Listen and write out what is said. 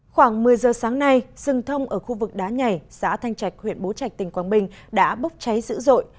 khoảng một mươi giờ sáng nay rừng thông ở khu vực đá nhảy xã thanh trạch huyện bố trạch tỉnh quảng bình đã bốc cháy dữ dội